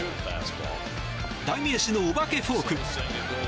代名詞のお化けフォーク。